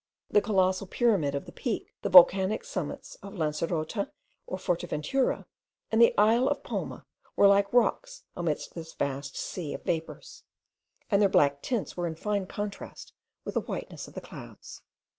The colossal pyramid of the peak, the volcanic summits of Lancerota, of Forteventura, and the isle of Palma, were like rocks amidst this vast sea of vapours, and their black tints were in fine contrast with the whiteness of the clouds.